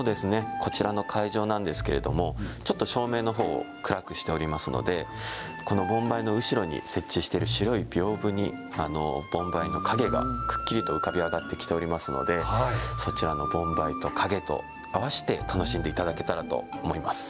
こちらの会場なんですけれどもちょっと照明の方を暗くしておりますのでこの盆梅の後ろに設置している白いびょうぶに盆梅の影がくっきりと浮かび上がってきておりますのでそちらの盆梅と影と合わせて楽しんでいただけたらと思いますね。